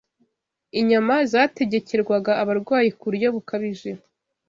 Inyama zategekerwaga abarwayi ku buryo bukabije